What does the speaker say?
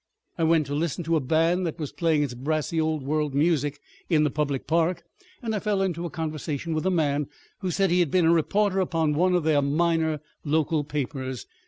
I went to listen to a band that was playing its brassy old world music in the public park, and I fell into conversation with a man who said he had been a reporter upon one of their minor local papers.